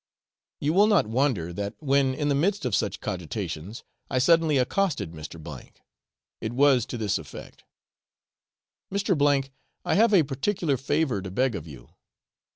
You will not wonder that, when in the midst of such cogitations I suddenly accosted Mr. O , it was to this effect. 'Mr. O , I have a particular favour to beg of you.